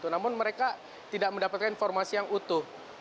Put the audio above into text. namun mereka tidak mendapatkan informasi yang utuh